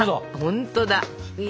ほんとだ！